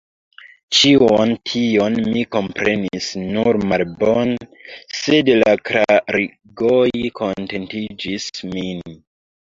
Ĉion tion mi komprenis nur malbone, sed la klarigoj kontentigis min.